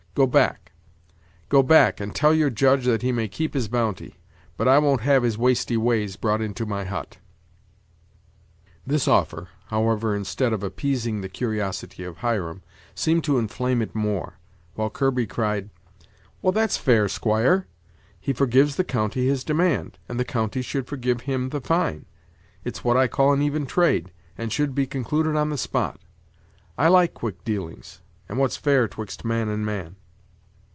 Go back go back, and tell your Judge that he may keep his bounty; but I won't have his wasty ways brought into my hut." This offer, however, instead of appeasing the curiosity of Hiram, seemed to inflame it the more; while Kirby cried: "Well, that's fair, squire; he forgives the county his demand, and the county should forgive him the fine; it's what I call an even trade, and should be concluded on the spot. I like quick dealings, and what's fair 'twixt man and man."